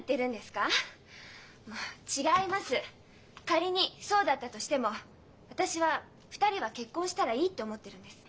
仮にそうだったとしても私は２人は結婚したらいいって思ってるんです。